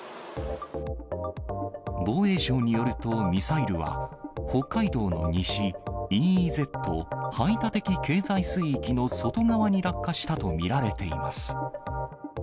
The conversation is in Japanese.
防衛省によるとミサイルは、北海道の西ＥＥＺ・排他的経済水域の外側に落下したと見られています。